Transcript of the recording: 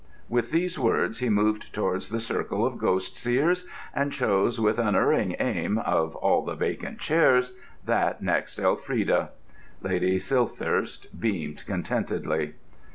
With these words he moved towards the circle of ghost seers, and chose, with unerring aim, of all the vacant chairs, that next Elfrida. Lady Silthirsk beamed contentedly.